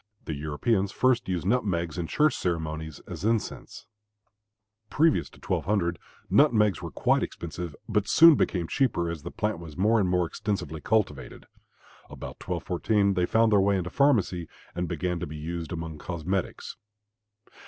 The Europeans first used nutmegs in church ceremonies as incense. Previous to 1200 nutmegs were quite expensive, but soon became cheaper as the plant was more and more extensively cultivated. About 1214 they found their way into pharmacy and began to be used among cosmetics.